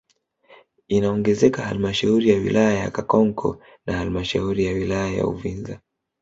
Inaongezeka halmashauri ya wilaya ya Kakonko na halmashauri ya wilaya ya Uvinza